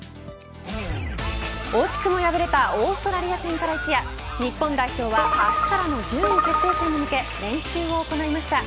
惜しくも敗れたオーストラリア戦から一夜日本代表は明日からの順位決定戦に向け練習を行いました。